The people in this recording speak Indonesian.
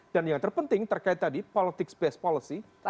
dan yang terpenting terkait tadi politics based policy